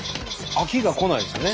飽きがこないですよね。